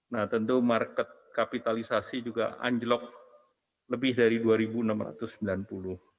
nah tentu market kapitalisasi juga anjlok lebih dari rp dua enam ratus sembilan puluh